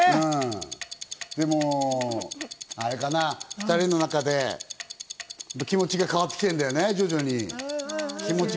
でもあれかな、２人の中で気持ちが変わってきてるんだよね、徐々に。